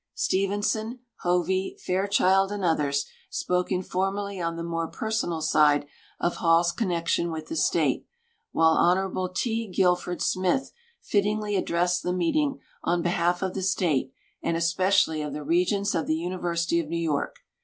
Stevenson, Hovey, Fairchild, and others spoke informally on the more personal side of Hall's connection with the State, while Hon. T. Guilford Smith littingly addressed the meeting on behalf of the State, and espe cially of the Regents of the University of New York.